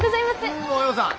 おはようさん。